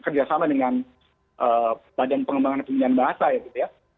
bersama dengan badan pengembangan dan pengembaraan bahasa ya gitu ya